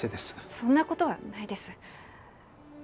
そんな事はないです。